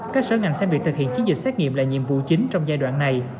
các sở ngành xem việc thực hiện chiến dịch xét nghiệm là nhiệm vụ chính trong giai đoạn này